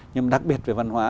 nhưng mà đặc biệt về văn hóa